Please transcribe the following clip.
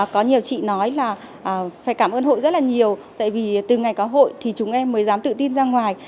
có nhiều chị nói là phải cảm ơn hội rất là nhiều tại vì từ ngày có hội thì chúng em mới dám tự tin ra ngoài